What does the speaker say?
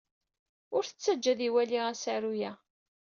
Ur t-ttajja ad iwali asaru-a.